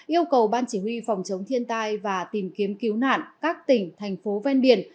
yêu cầu ban chỉ huy phòng chống thiên tai và tìm kiếm cứu nạn các tỉnh thành phố ven biển